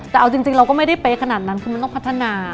แต่เอาจริงเราก็ไม่ได้เป๊ะขนาดนั้นคือมันต้องพัฒนา